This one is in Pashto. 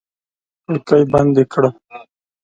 کړکۍ بندې کړه!